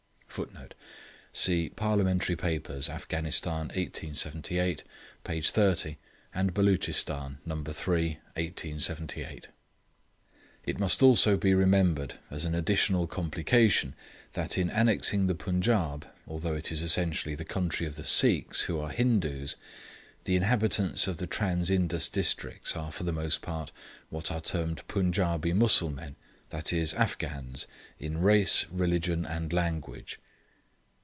[Footnote: See Parliamentary Papers: Afghanistan, 1878, page 30, and Beloochistan, No. 3, 1878.] It must also be remembered, as an additional complication, that in annexing the Punjaub, although it is essentially the country of the Sikhs, who are Hindoos, the inhabitants of the trans Indus districts are for the most part what are termed Punjaubee Mussulmen, that is, Afghans, in race, religion and language.